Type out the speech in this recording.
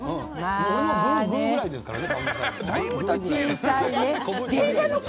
グーぐらいですからね。